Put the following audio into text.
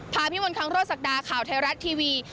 พาพี่มนต์ค้างโรจศักดาข่าวไทยรัฐทีวี